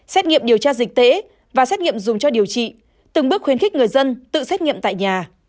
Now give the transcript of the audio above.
xét nghiệm điều tra dịch tễ và xét nghiệm dùng cho điều trị từng bước khuyến khích người dân tự xét nghiệm tại nhà